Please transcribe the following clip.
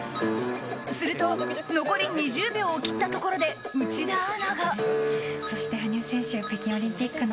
すると残り２０秒を切ったところで内田アナが。